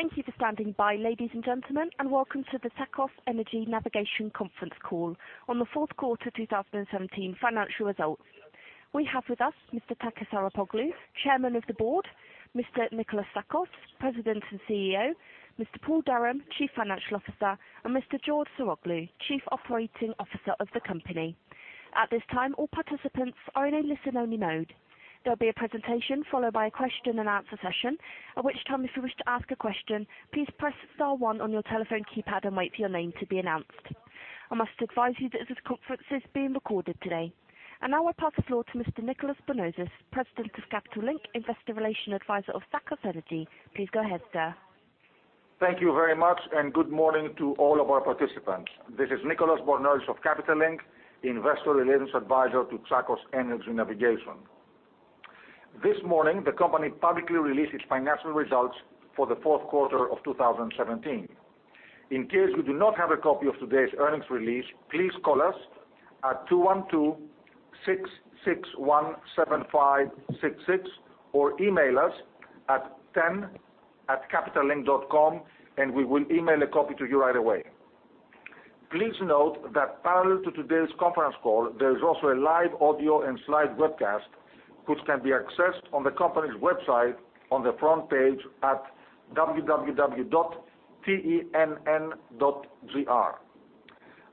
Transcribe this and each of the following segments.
Thank you for standing by, ladies and gentlemen, welcome to the Tsakos Energy Navigation conference call on the fourth quarter 2017 financial results. We have with us Mr. Takis Arapoglou, Chairman of the Board, Mr. Nikolas Tsakos, President and CEO, Mr. Paul Durham, Chief Financial Officer, Mr. George Saroglou, Chief Operating Officer of the company. At this time, all participants are in a listen-only mode. There will be a presentation followed by a question and answer session. At which time, if you wish to ask a question, please press star one on your telephone keypad and wait for your name to be announced. I must advise you that this conference is being recorded today. Now I pass the floor to Mr. Nicolas Bornozis, President of Capital Link Investor Relations Advisor of Tsakos Energy. Please go ahead, sir. Thank you very much, good morning to all of our participants. This is Nicolas Bornozis of Capital Link, Investor Relations Advisor to Tsakos Energy Navigation. This morning, the company publicly released its financial results for the fourth quarter of 2017. In case you do not have a copy of today's earnings release, please call us at 212-661-7566, email us at ten@capitalink.com we will email a copy to you right away. Please note that parallel to today's conference call, there is also a live audio and slide webcast which can be accessed on the company's website on the front page at www.tenn.gr.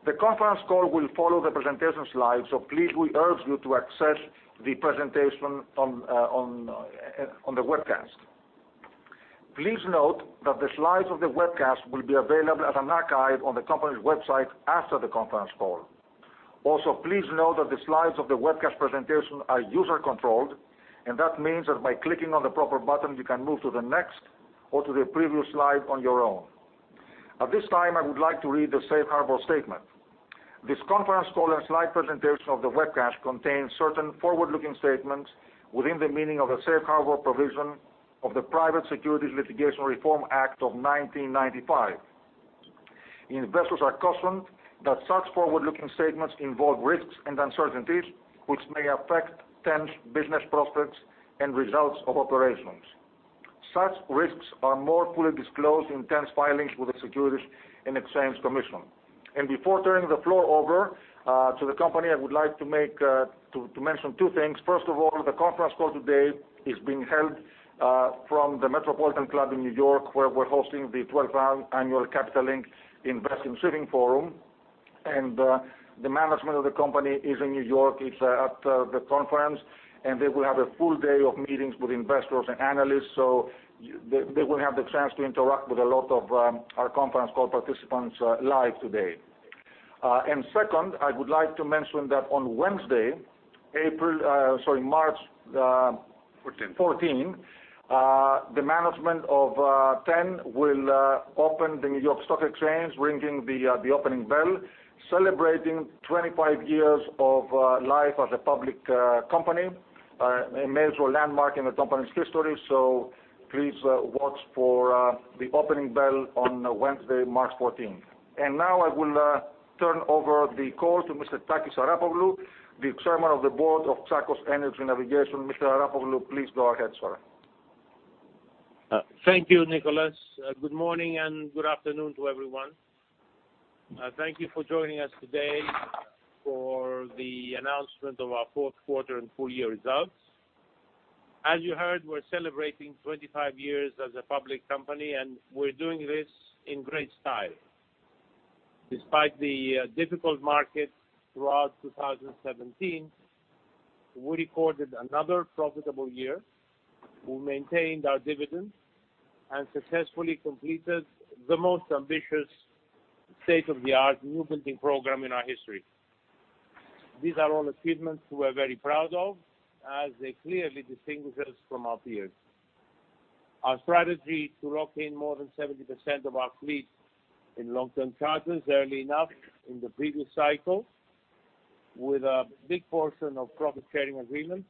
The conference call will follow the presentation slides, so please, we urge you to access the presentation on the webcast. Please note that the slides of the webcast will be available as an archive on the company's website after the conference call. Also, please note that the slides of the webcast presentation are user-controlled, that means that by clicking on the proper button, you can move to the next or to the previous slide on your own. At this time, I would like to read the safe harbor statement. This conference call and slide presentation of the webcast contains certain forward-looking statements within the meaning of the safe harbor provision of the Private Securities Litigation Reform Act of 1995. Investors are cautioned that such forward-looking statements involve risks and uncertainties, which may affect TEN's business prospects and results of operations. Such risks are more fully disclosed in TEN's filings with the Securities and Exchange Commission. Before turning the floor over to the company, I would like to mention two things. First of all, the conference call today is being held from the Metropolitan Club in New York, where we are hosting the 12th Annual Capital Link International Shipping & Offshore Forum. The management of the company is in New York. It is at the conference, they will have a full day of meetings with investors and analysts. So they will have the chance to interact with a lot of our conference call participants live today. Second, I would like to mention that on Wednesday, March- 14th. 14th, the management of TEN will open the New York Stock Exchange, ringing the opening bell, celebrating 25 years of life as a public company. A major landmark in the company's history. Please watch for the opening bell on Wednesday, March 14th. Now I will turn over the call to Mr. Takis Arapoglou, the Chairman of the Board of Tsakos Energy Navigation. Mr. Arapoglou, please go ahead, sir. Thank you, Nikolas. Good morning and good afternoon to everyone. Thank you for joining us today for the announcement of our fourth quarter and full year results. As you heard, we're celebrating 25 years as a public company, and we're doing this in great style. Despite the difficult market throughout 2017, we recorded another profitable year. We maintained our dividends and successfully completed the most ambitious state-of-the-art new building program in our history. These are all achievements we're very proud of, as they clearly distinguish us from our peers. Our strategy to lock in more than 70% of our fleet in long-term charters early enough in the previous cycle with a big portion of profit-sharing agreements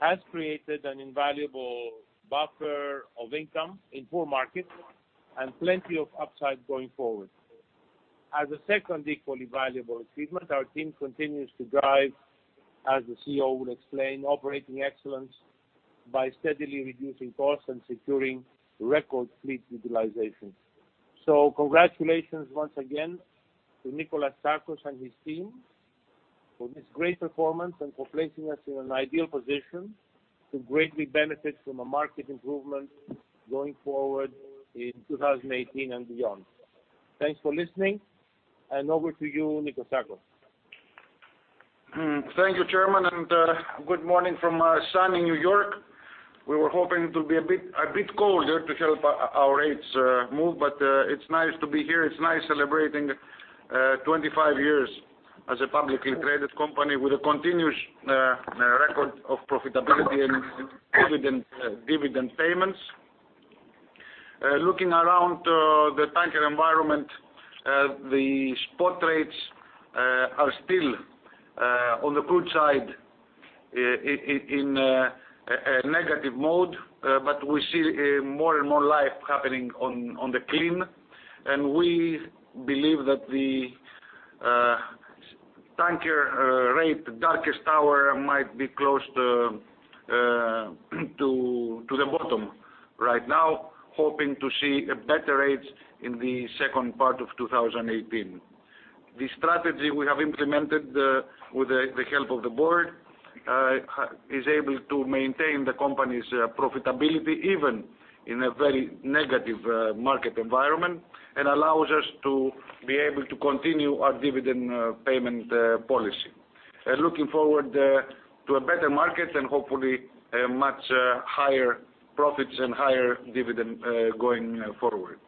has created an invaluable buffer of income in poor markets and plenty of upside going forward. As a second equally valuable achievement, our team continues to drive, as the CEO will explain, operating excellence by steadily reducing costs and securing record fleet utilization. Congratulations once again to Nikolas Tsakos and his team for this great performance and for placing us in an ideal position to greatly benefit from a market improvement going forward in 2018 and beyond. Thanks for listening. Over to you, Nikolas Tsakos. Thank you, Chairman, and good morning from sunny New York. We were hoping it would be a bit colder to help our rates move, but it's nice to be here. It's nice celebrating 25 years as a publicly traded company with a continuous record of profitability and dividend payments. Looking around the tanker environment, the spot rates are still on the good side in a negative mode. We see more and more life happening on the clean, and we believe that the tanker rate darkest hour might be close to the bottom right now, hoping to see better rates in the second part of 2018. The strategy we have implemented with the help of the board is able to maintain the company's profitability, even in a very negative market environment, and allows us to be able to continue our dividend payment policy. Looking forward to a better market and hopefully much higher profits and higher dividend going forward.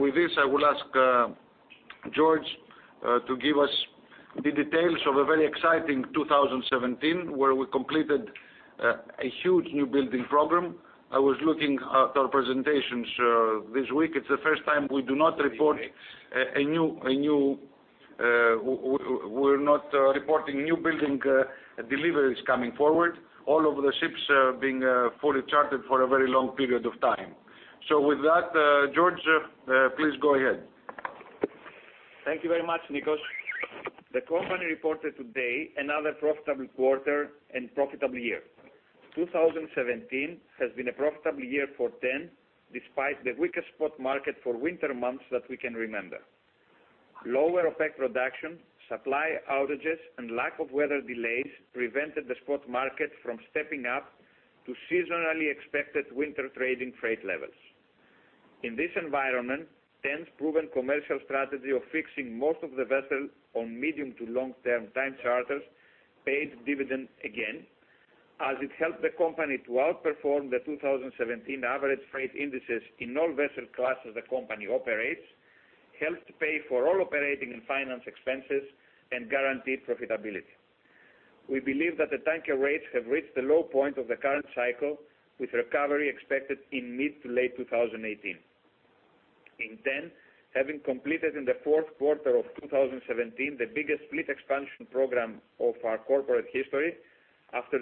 With this, I will ask George to give us the details of a very exciting 2017, where we completed a huge new building program. I was looking at our presentations this week. It's the first time we're not reporting new building deliveries coming forward, all of the ships being fully charted for a very long period of time. With that, George, please go ahead. Thank you very much, Nikos. The company reported today another profitable quarter and profitable year. 2017 has been a profitable year for TEN, despite the weakest spot market for winter months that we can remember. Lower OPEC production, supply outages, and lack of weather delays prevented the spot market from stepping up to seasonally expected winter trading freight levels. In this environment, TEN's proven commercial strategy of fixing most of the vessels on medium to long-term time charters paid dividends again, as it helped the company to outperform the 2017 average freight indices in all vessel classes the company operates, helped pay for all operating and finance expenses, and guaranteed profitability. We believe that the tanker rates have reached the low point of the current cycle, with recovery expected in mid to late 2018. In TEN, having completed in the fourth quarter of 2017 the biggest fleet expansion program of our corporate history after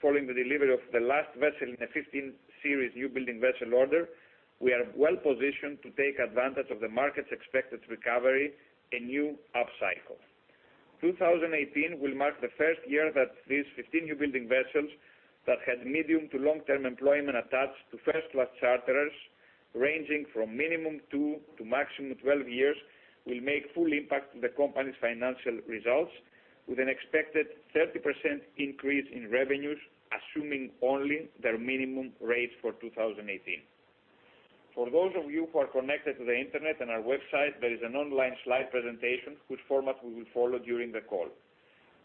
following the delivery of the last vessel in a 15 series new building vessel order, we are well-positioned to take advantage of the market's expected recovery and new upcycle. 2018 will mark the first year that these 15 new building vessels that had medium to long-term employment attached to first-class charterers ranging from minimum two to maximum 12 years, will make full impact on the company's financial results with an expected 30% increase in revenues, assuming only their minimum rates for 2018. For those of you who are connected to the internet and our website, there is an online slide presentation whose format we will follow during the call.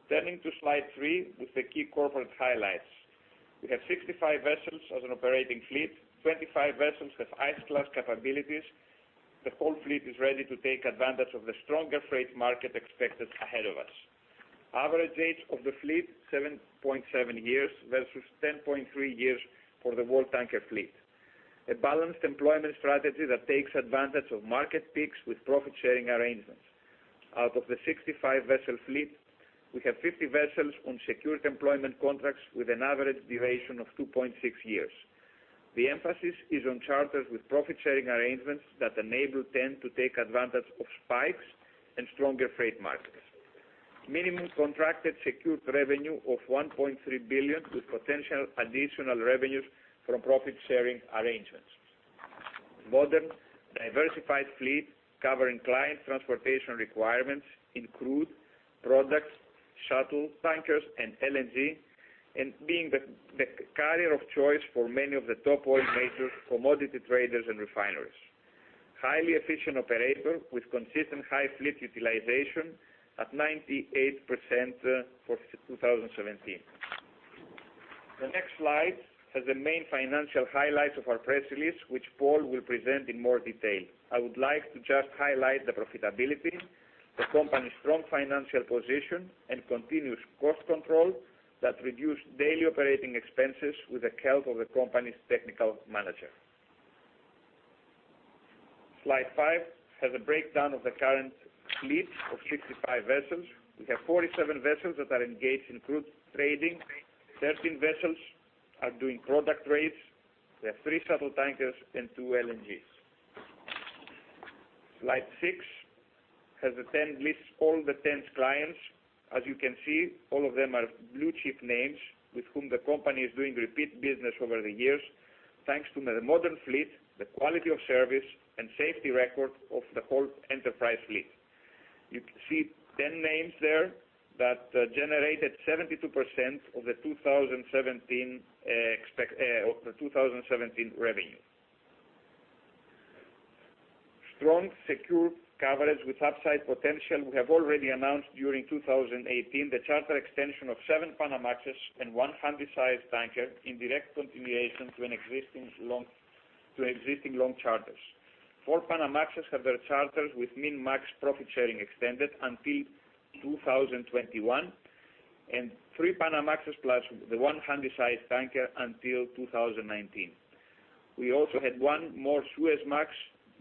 Turning to slide three with the key corporate highlights. We have 65 vessels as an operating fleet, 25 vessels have ice-class capabilities. The whole fleet is ready to take advantage of the stronger freight market expected ahead of us. Average age of the fleet, 7.7 years versus 10.3 years for the world tanker fleet. A balanced employment strategy that takes advantage of market peaks with profit-sharing arrangements. Out of the 65 vessel fleet, we have 50 vessels on secured employment contracts with an average duration of 2.6 years. The emphasis is on charters with profit-sharing arrangements that enable TEN to take advantage of spikes and stronger freight markets. Minimum contracted secured revenue of $1.3 billion with potential additional revenues from profit-sharing arrangements. Modern, diversified fleet covering client transportation requirements in crude products, shuttle tankers, and LNG, and being the carrier of choice for many of the top oil majors, commodity traders, and refineries. Highly efficient operator with consistent high fleet utilization at 98% for 2017. The next slide has the main financial highlights of our press release, which Paul Durham will present in more detail. I would like to just highlight the profitability, the company's strong financial position, and continuous cost control that reduced daily operating expenses with the help of the company's technical manager. Slide 5 has a breakdown of the current fleet of 65 vessels. We have 47 vessels that are engaged in crude trading, 13 vessels are doing product trades. We have three shuttle tankers and two LNGs. Slide 6 lists all of TEN's clients. As you can see, all of them are blue-chip names with whom the company is doing repeat business over the years, thanks to the modern fleet, the quality of service, and safety record of the whole enterprise fleet. You see 10 names there that generated 72% of the 2017 revenue. Strong, secure coverage with upside potential. We have already announced during 2018 the charter extension of seven Panamaxes and one Handysize tanker in direct continuation to existing long charters. Four Panamaxes have their charters with min-max profit sharing extended until 2021, and three Panamaxes plus the one Handysize tanker until 2019. We also had one more Suezmax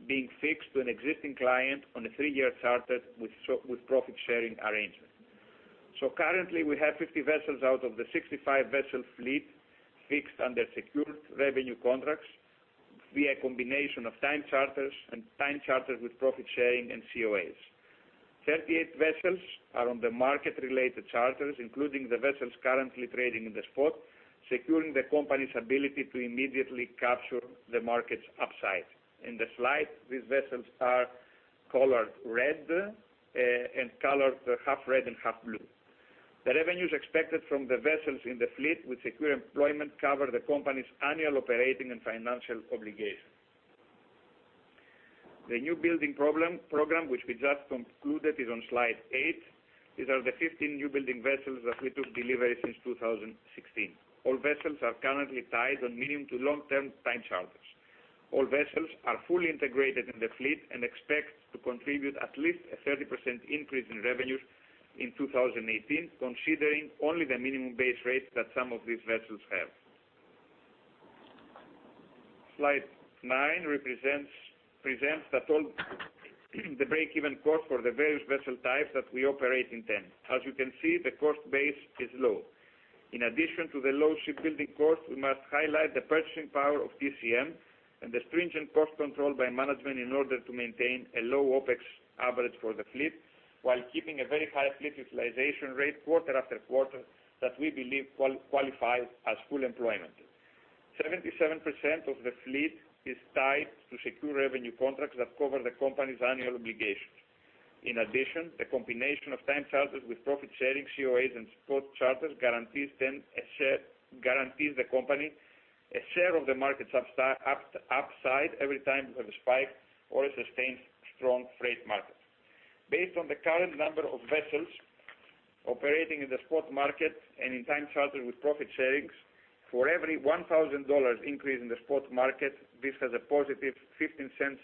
being fixed to an existing client on a three-year charter with profit-sharing arrangement. Currently, we have 50 vessels out of the 65 vessel fleet fixed under secured revenue contracts via combination of time charters and time charters with profit sharing and COAs. 38 vessels are on the market-related charters, including the vessels currently trading in the spot, securing the company's ability to immediately capture the market's upside. In the slide, these vessels are colored red and colored half red and half blue. The revenues expected from the vessels in the fleet with secure employment cover the company's annual operating and financial obligations. The new building program, which we just concluded, is on slide 8. These are the 15 new building vessels that we took delivery since 2016. All vessels are currently tied on medium to long-term time charters. All vessels are fully integrated in the fleet and expect to contribute at least a 30% increase in revenues in 2018, considering only the minimum base rate that some of these vessels have. Slide 9 presents at all the break-even cost for the various vessel types that we operate in TEN. As you can see, the cost base is low. In addition to the low shipbuilding cost, we must highlight the purchasing power of TCM and the stringent cost control by management in order to maintain a low OpEx average for the fleet while keeping a very high fleet utilization rate quarter after quarter that we believe qualifies as full employment. 77% of the fleet is tied to secure revenue contracts that cover the company's annual obligations. In addition, the combination of time charters with profit sharing, COAs, and spot charters guarantees the company a share of the market's upside every time we have a spike or a sustained strong freight market. Based on the current number of vessels operating in the spot market and in time charter with profit sharing, for every $1,000 increase in the spot market, this has a positive $0.15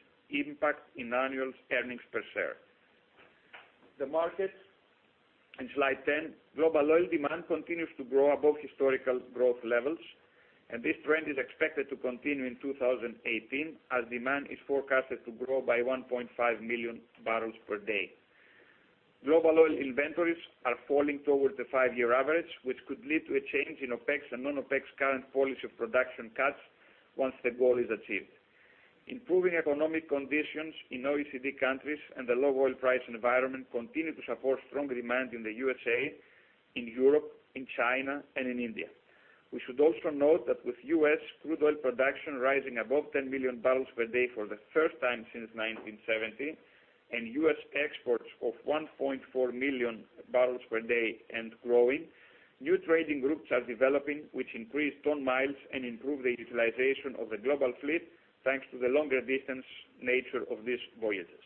impact in annual earnings per share. The market in slide 10. Global oil demand continues to grow above historical growth levels. This trend is expected to continue in 2018, as demand is forecasted to grow by 1.5 million barrels per day. Global oil inventories are falling towards the 5-year average, which could lead to a change in OPEC and non-OPEC current policy of production cuts once the goal is achieved. Improving economic conditions in OECD countries and the low oil price environment continue to support strong demand in the USA, in Europe, in China, and in India. We should also note that with U.S. crude oil production rising above 10 million barrels per day for the first time since 1970, and U.S. exports of 1.4 million barrels per day and growing, new trading groups are developing, which increase ton miles and improve the utilization of the global fleet, thanks to the longer distance nature of these voyages.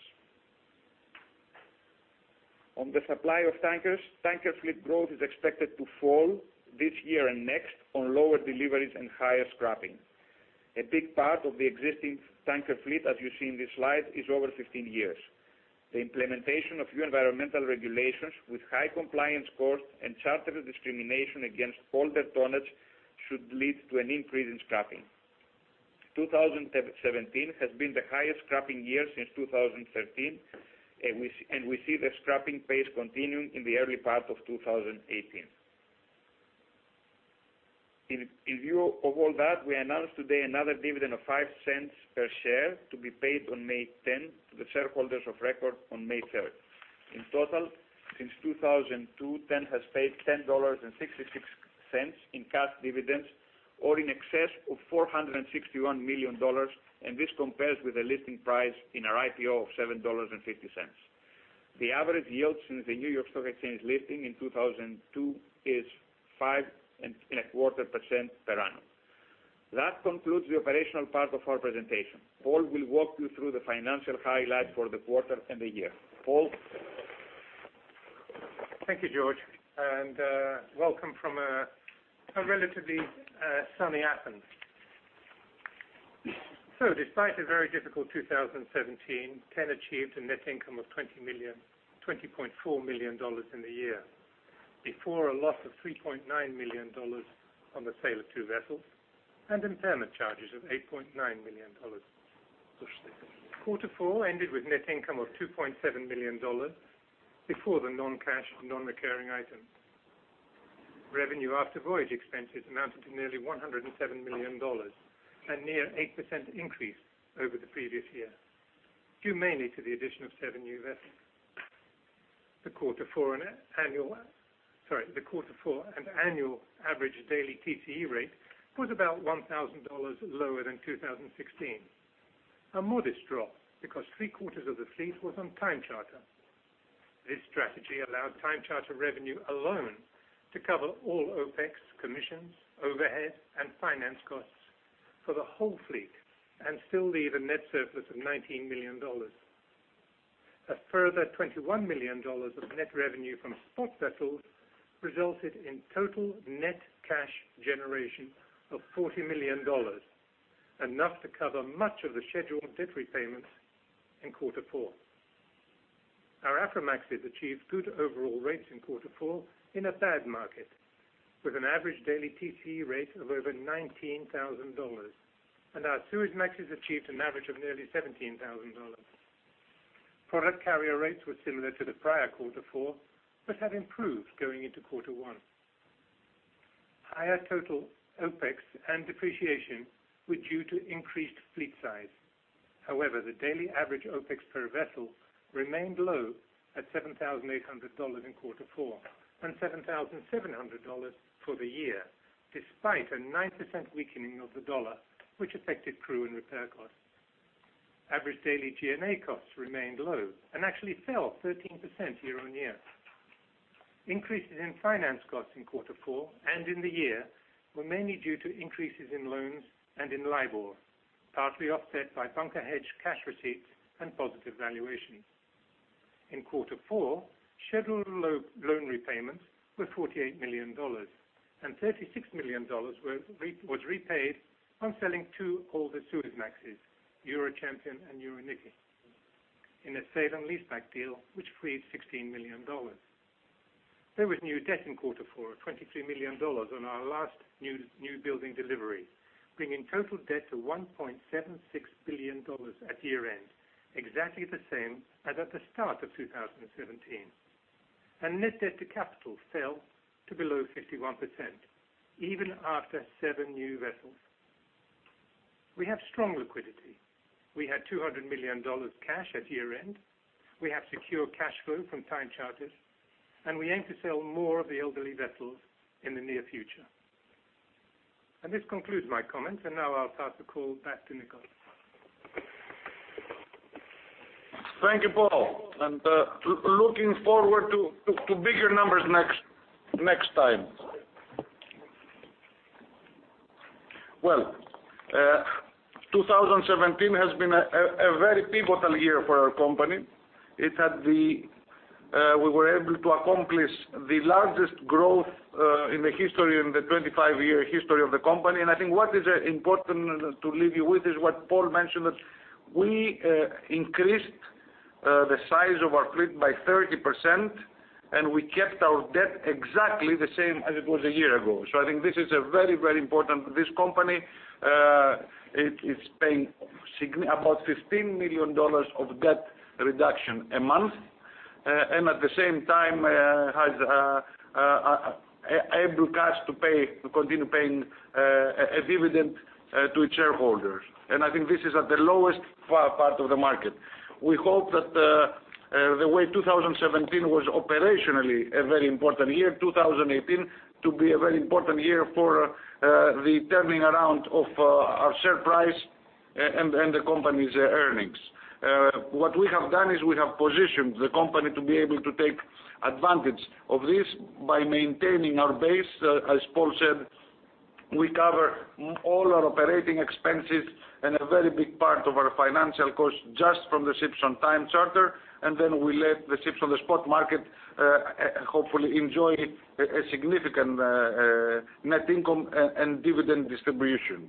On the supply of tankers, tanker fleet growth is expected to fall this year and next on lower deliveries and higher scrapping. A big part of the existing tanker fleet, as you see in this slide, is over 15 years. The implementation of new environmental regulations with high compliance cost and charter discrimination against older tonnage should lead to an increase in scrapping. 2017 has been the highest scrapping year since 2013. We see the scrapping pace continuing in the early part of 2018. In view of all that, we announced today another dividend of $0.05 per share to be paid on May 10th, to the shareholders of record on May 3rd. In total, since 2002, TEN has paid $10.66 in cash dividends or in excess of $461 million. This compares with a listing price in our IPO of $7.50. The average yield since the New York Stock Exchange listing in 2002 is 5.25% per annum. That concludes the operational part of our presentation. Paul will walk you through the financial highlights for the quarter and the year. Paul? Thank you, George, and welcome from a relatively sunny Athens. Despite a very difficult 2017, TEN achieved a net income of $20.4 million in the year before a loss of $3.9 million on the sale of two vessels and impairment charges of $8.9 million. Quarter four ended with net income of $2.7 million before the non-cash non-recurring items. Revenue after voyage expenses amounted to nearly $107 million and near 8% increase over the previous year, due mainly to the addition of seven new vessels. The quarter four and annual average daily TCE rate was about $1,000 lower than 2016. A modest drop because three-quarters of the fleet was on time charter. This strategy allowed time charter revenue alone to cover all OpEx, commissions, overhead, and finance costs for the whole fleet and still leave a net surplus of $19 million. A further $21 million of net revenue from spot vessels resulted in total net cash generation of $40 million, enough to cover much of the scheduled debt repayments in quarter four. Our Aframaxes achieved good overall rates in quarter four in a bad market. With an average daily TCE rate of over $19,000. Our Suezmax has achieved an average of nearly $17,000. Product carrier rates were similar to the prior quarter four, but have improved going into quarter one. Higher total OPEX and depreciation were due to increased fleet size. However, the daily average OPEX per vessel remained low at $7,800 in quarter four and $7,700 for the year, despite a 9% weakening of the dollar, which affected crew and repair costs. Average daily G&A costs remained low and actually fell 13% year-on-year. Increases in finance costs in quarter four and in the year were mainly due to increases in loans and in LIBOR, partly offset by bunker hedge cash receipts and positive valuation. In quarter four, scheduled loan repayments were $48 million and $36 million was repaid on selling two older Suezmaxes, Eurochampion and Euronike, in a sale and leaseback deal which freed $16 million. There was new debt in quarter four of $23 million on our last new building delivery, bringing total debt to $1.76 billion at year-end, exactly the same as at the start of 2017. Net debt to capital fell to below 51%, even after 7 new vessels. We have strong liquidity. We had $200 million cash at year-end. We have secure cash flow from time charters, and we aim to sell more of the elderly vessels in the near future. This concludes my comments, and now I'll pass the call back to Nikolas. Thank you, Paul, and looking forward to bigger numbers next time. Well, 2017 has been a very pivotal year for our company. We were able to accomplish the largest growth in the 25-year history of the company. I think what is important to leave you with is what Paul mentioned, that we increased the size of our fleet by 30% and we kept our debt exactly the same as it was a year ago. I think this is very important for this company. It is paying about $15 million of debt reduction a month, and at the same time has able cash to continue paying a dividend to its shareholders. I think this is at the lowest part of the market. We hope that the way 2017 was operationally a very important year, 2018 to be a very important year for the turning around of our share price and the company's earnings. What we have done is we have positioned the company to be able to take advantage of this by maintaining our base. As Paul said, we cover all our operating expenses and a very big part of our financial cost just from the ships on time charter, and then we let the ships on the spot market hopefully enjoy a significant net income and dividend distribution.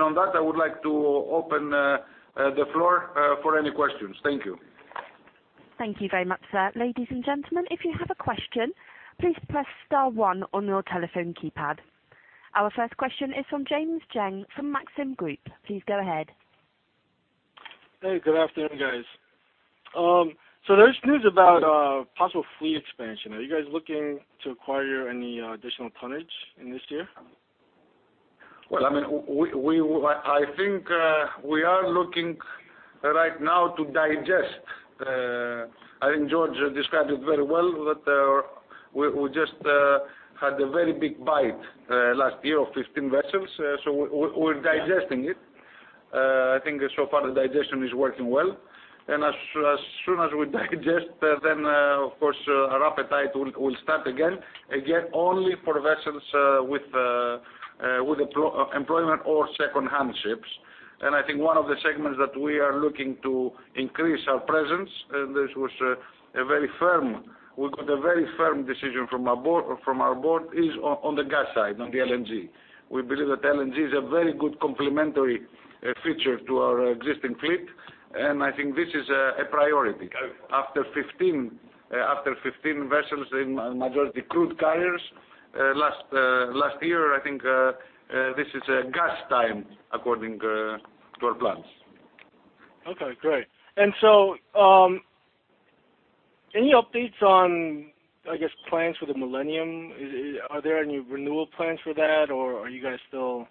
On that, I would like to open the floor for any questions. Thank you. Thank you very much, sir. Ladies and gentlemen, if you have a question, please press star one on your telephone keypad. Our first question is from James Jang from Maxim Group. Please go ahead. Hey, good afternoon, guys. There's news about possible fleet expansion. Are you guys looking to acquire any additional tonnage in this year? Well, I think we are looking right now to digest. I think George described it very well that we just had a very big bite last year of 15 vessels, so we're digesting it. I think so far the digestion is working well. As soon as we digest, then of course our appetite will start again. Again, only for vessels with employment or secondhand ships. I think one of the segments that we are looking to increase our presence, and we got a very firm decision from our board, is on the gas side, on the LNG. We believe that LNG is a very good complementary feature to our existing fleet, and I think this is a priority. After 15 vessels in majority crude carriers last year, I think this is gas time according to our plans. Okay, great. Any updates on, I guess, plans for the Millennium? Are there any renewal plans for that or are you guys still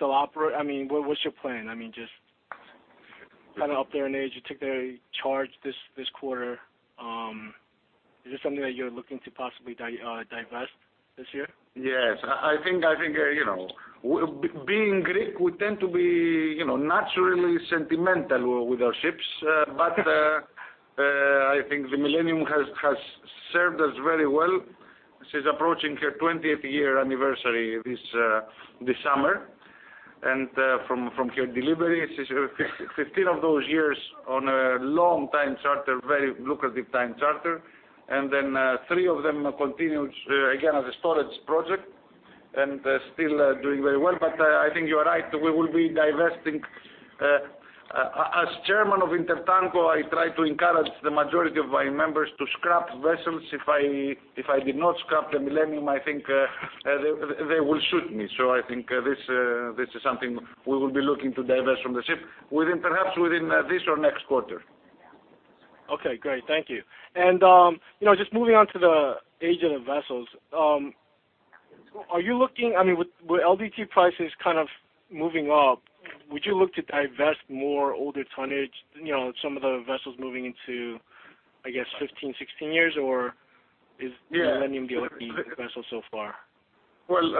operate? What's your plan? Just trying to up their age, you took their charge this quarter. Is this something that you're looking to possibly divest this year? Yes. I think being Greek, we tend to be naturally sentimental with our ships. I think the Millennium has served us very well since approaching her 20th year anniversary this summer. From her delivery, 15 of those years on a long time charter, very lucrative time charter, then three of them continued, again, as a storage project. Still doing very well. I think you are right, we will be divesting. As chairman of INTERTANKO, I try to encourage the majority of my members to scrap vessels. If I did not scrap the Millennium, I think they will shoot me. I think this is something we will be looking to divest from the ship, perhaps within this or next quarter. Okay, great. Thank you. Just moving on to the age of the vessels. With LDT prices kind of moving up, would you look to divest more older tonnage, some of the vessels moving into, I guess, 15, 16 years, or is- Yeah the Millennium the only vessel so far? Well,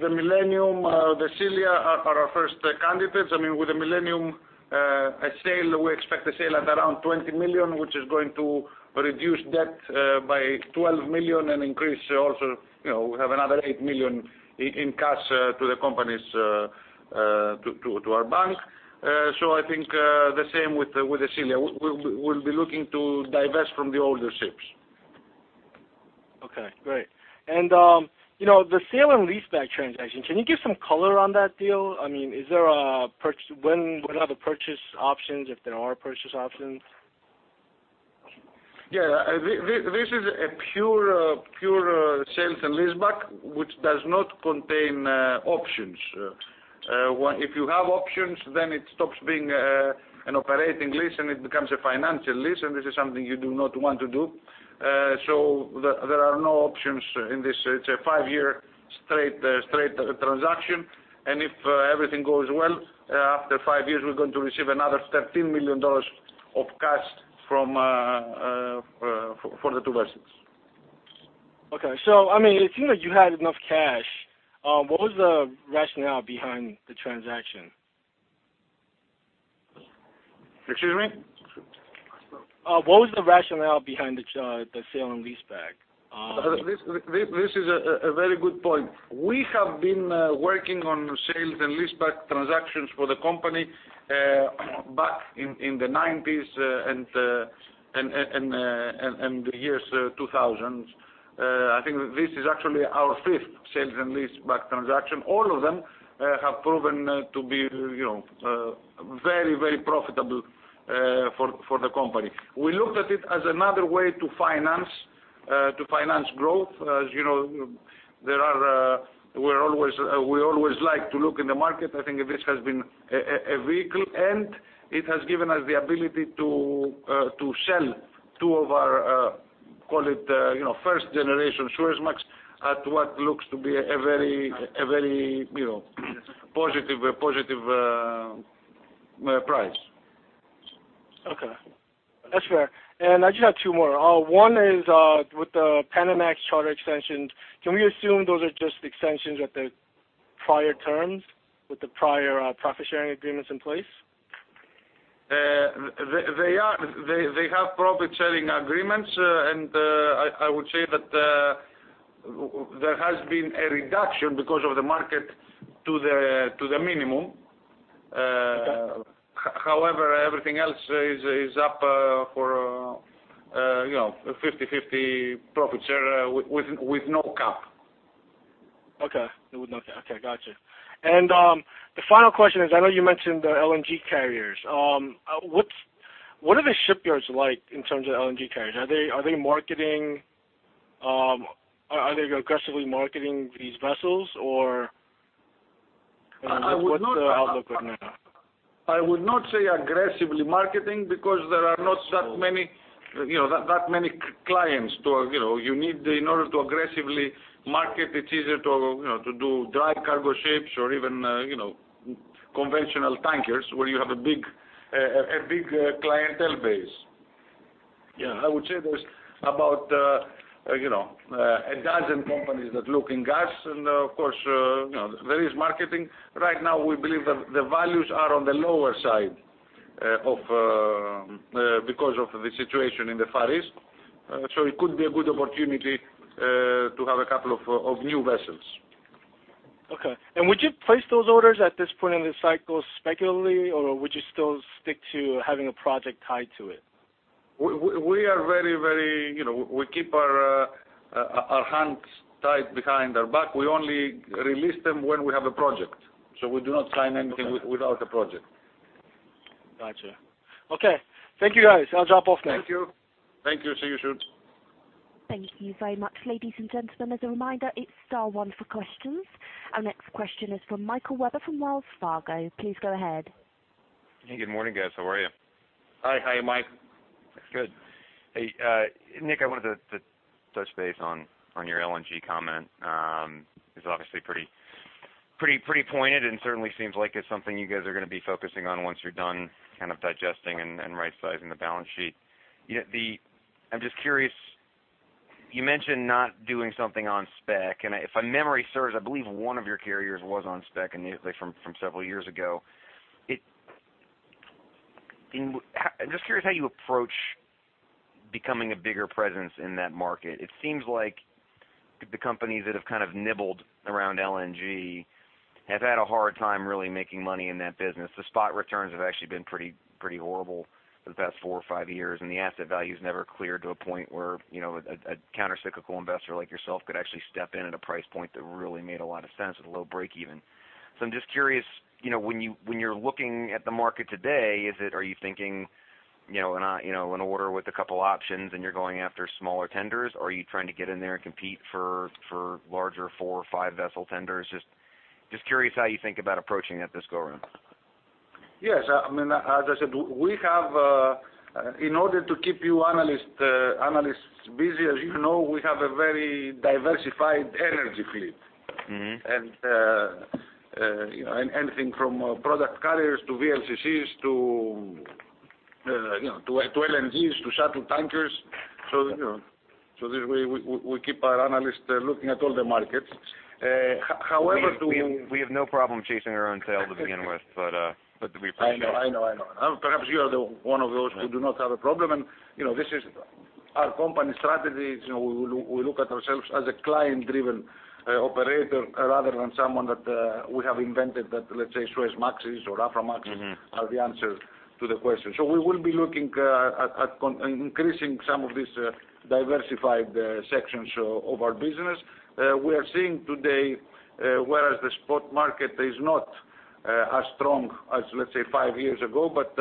the Millennium, the Silja are our first candidates. With the Millennium, we expect a sale at around $20 million, which is going to reduce debt by $12 million and increase also, we have another $8 million in cash to our bank. I think, the same with the Silja. We'll be looking to divest from the older ships. Okay, great. The sale and leaseback transaction, can you give some color on that deal? When are the purchase options, if there are purchase options? Yeah. This is a pure sales and leaseback, which does not contain options. If you have options, it stops being an operating lease and it becomes a financial lease, this is something you do not want to do. There are no options in this. It's a five-year straight transaction, and if everything goes well, after five years, we're going to receive another $13 million of cash for the two vessels. Okay. It seems like you had enough cash. What was the rationale behind the transaction? Excuse me? What was the rationale behind the sale and leaseback? This is a very good point. We have been working on sales and leaseback transactions for the company back in the '90s and the years 2000s. I think this is actually our fifth sales and leaseback transaction. All of them have proven to be very, very profitable for the company. We looked at it as another way to finance growth. As you know, we always like to look in the market. I think this has been a vehicle, and it has given us the ability to sell two of our, call it, first generation Suezmax at what looks to be a very positive price. Okay. That's fair. I just have two more. One is with the Panamax charter extensions, can we assume those are just extensions at the prior terms, with the prior profit-sharing agreements in place? They have profit-sharing agreements, and I would say that there has been a reduction because of the market to the minimum. Okay. However, everything else is up for a 50/50 profit share with no cap. Okay. With no cap. Okay, got you. The final question is, I know you mentioned the LNG carriers. What are the shipyards like in terms of LNG carriers? Are they aggressively marketing these vessels, or what's the outlook right now? I would not say aggressively marketing because there are not that many clients. In order to aggressively market, it's easier to do dry cargo ships or even conventional tankers where you have a big clientele base. Yeah, I would say there's about a dozen companies that look in gas and, of course, there is marketing. Right now, we believe the values are on the lower side because of the situation in the Far East. It could be a good opportunity to have a couple of new vessels. Okay. Would you place those orders at this point in the cycle speculatively, or would you still stick to having a project tied to it? We keep our hands tied behind our back. We only release them when we have a project. We do not sign anything without a project. Got you. Okay. Thank you, guys. I'll drop off now. Thank you. Thank you. See you soon. Thank you very much, ladies and gentlemen. As a reminder, it's star one for questions. Our next question is from Michael Webber from Wells Fargo. Please go ahead. Hey, good morning, guys. How are you? Hi. How are you, Mike? Good. Hey, Nick, I wanted to touch base on your LNG comment. It's obviously pretty pointed and certainly seems like it's something you guys are going to be focusing on once you're done digesting and right-sizing the balance sheet. I'm just curious, you mentioned not doing something on spec, and if my memory serves, I believe one of your carriers was on spec from several years ago. I'm just curious how you approach becoming a bigger presence in that market. It seems like the companies that have nibbled around LNG have had a hard time really making money in that business. The spot returns have actually been pretty horrible for the past four or five years, and the asset value's never cleared to a point where a counter-cyclical investor like yourself could actually step in at a price point that really made a lot of sense with a low breakeven. I'm just curious, when you're looking at the market today, are you thinking an order with a couple options and you're going after smaller tenders? Or are you trying to get in there and compete for larger four or five-vessel tenders? Just curious how you think about approaching it this go around. Yes. As I said, in order to keep you analysts busy, as you know, we have a very diversified energy fleet. Anything from product carriers to VLCCs to LNGs to shuttle tankers. This way, we keep our analysts looking at all the markets. However, do we We have no problem chasing our own tail to begin with, but we appreciate that. I know. Perhaps you are one of those who do not have a problem, and our company strategy is we look at ourselves as a client-driven operator rather than someone that we have invented that, let's say Suezmaxes or Aframaxes are the answer to the question. We will be looking at increasing some of these diversified sections of our business. We are seeing today, whereas the spot market is not as strong as, let's say, five years ago, but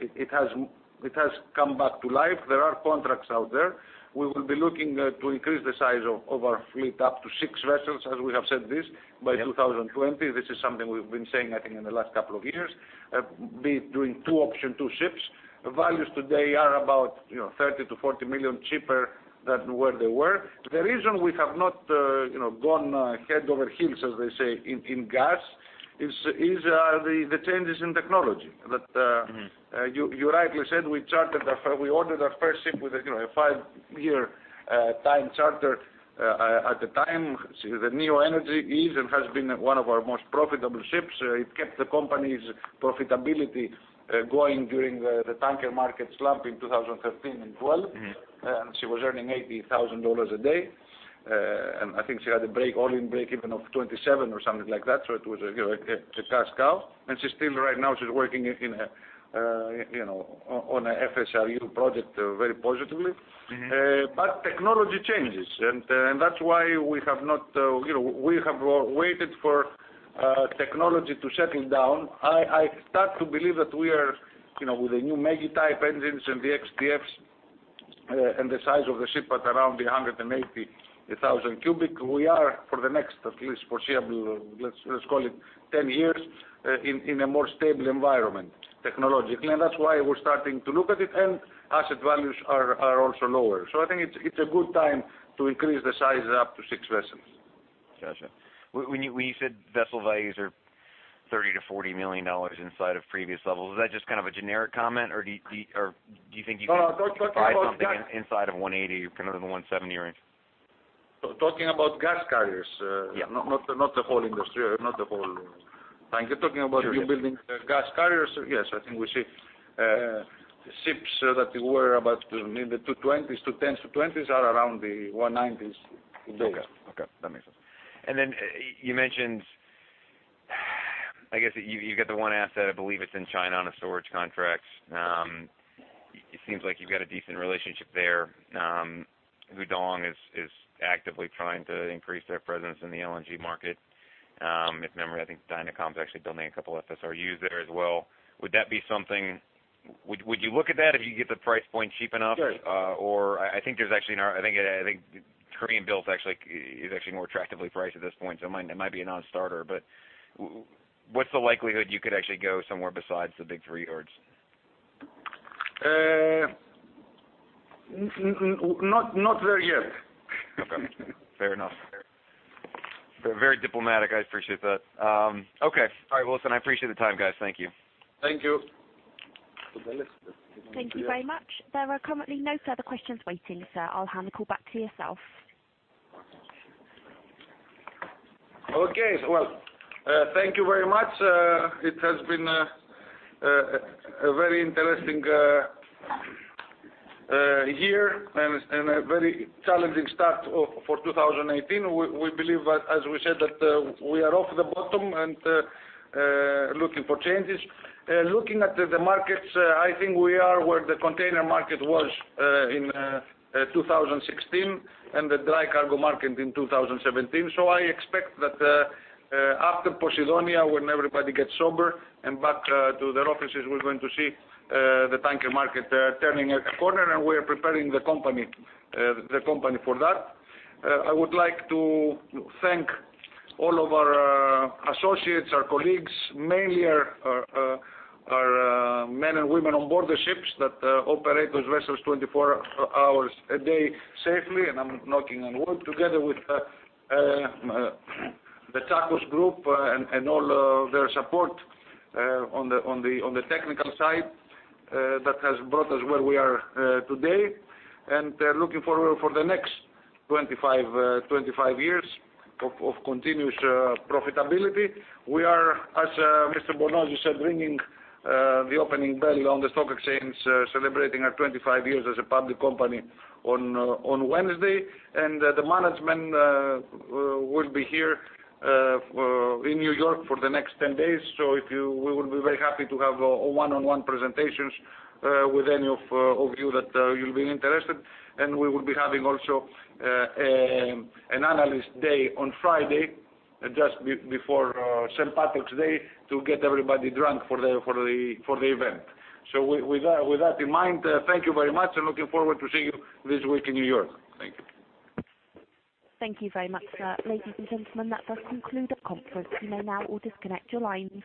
it has come back to life. There are contracts out there. We will be looking to increase the size of our fleet up to 6 vessels, as we have said this, by 2020. This is something we've been saying, I think, in the last couple of years, be it doing two option, 2 ships. Values today are about $30 million-$40 million cheaper than where they were. The reason we have not gone head over heels, as they say, in gas, is the changes in technology. That you rightly said, we ordered our first ship with a five-year time charter at the time. The Neo Energy is and has been one of our most profitable ships. It kept the company's profitability going during the tanker market slump in 2013 and 2012. She was earning $80,000 a day. I think she had an all-in breakeven of $27 or something like that, so it was a cash cow. She's still, right now, she's working on a FSRU project very positively. Technology changes, and that's why we have waited for technology to settle down. I start to believe that we are, with the new ME-GI type engines and the X-DFs and the size of the ship at around 180,000 cubic, we are, for the next at least foreseeable, let's call it 10 years, in a more stable environment technologically. That's why we're starting to look at it, and asset values are also lower. I think it's a good time to increase the size up to 6 vessels. Got you. When you said vessel values are $30 million-$40 million inside of previous levels, is that just a generic comment, or do you think you can buy something inside of $180 million or another $170 million range? Talking about gas carriers. Yeah. Not the whole industry or not the whole tanker. Sure, yeah. new building gas carriers. Yes, I think we see ships that were about in the 210s, 220s are around the 190s today. Okay. That makes sense. Then you mentioned, I guess you've got the one asset, I believe it's in China on a storage contract. It seems like you've got a decent relationship there. Hudong-Zhonghua is actively trying to increase their presence in the LNG market. If memory, I think Dynagas's actually building a couple FSRUs there as well. Would you look at that if you could get the price point cheap enough? Sure. I think Korean built is actually more attractively priced at this point, so it might be a non-starter, but what's the likelihood you could actually go somewhere besides the big three yards? Not there yet. Okay. Fair enough. Very diplomatic, I appreciate that. Okay. All right, listen, I appreciate the time, guys. Thank you. Thank you. Thank you very much. There are currently no further questions waiting, sir. I'll hand the call back to yourself. Okay. Well, thank you very much. It has been a very interesting year and a very challenging start for 2018. We believe that, as we said, that we are off the bottom and looking for changes. Looking at the markets, I think we are where the container market was in 2016 and the dry cargo market in 2017. I expect that after Posidonia, when everybody gets sober and back to their offices, we're going to see the tanker market turning a corner, and we're preparing the company for that. I would like to thank all of our associates, our colleagues, mainly our men and women on board the ships that operate those vessels 24 hours a day safely, and I'm knocking on wood, together with the Tsakos group and all their support on the technical side that has brought us where we are today. Looking forward for the next 25 years of continuous profitability. We are, as Mr. Bornozis said, ringing the opening bell on the New York Stock Exchange celebrating our 25 years as a public company on Wednesday. The management will be here in New York for the next 10 days. We will be very happy to have one-on-one presentations with any of you that you'll be interested. We will be having also an analyst day on Friday, just before St. Patrick's Day, to get everybody drunk for the event. With that in mind, thank you very much, and looking forward to seeing you this week in New York. Thank you. Thank you very much, sir. Ladies and gentlemen, that does conclude our conference. You may now all disconnect your lines.